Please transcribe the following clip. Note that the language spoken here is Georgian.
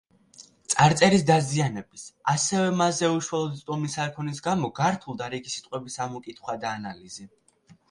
წარწერის დაზიანების, ასევე მასზე უშუალოდ წვდომის არქონის გამო გართულდა რიგი სიტყვების ამოკითხვა და ანალიზი.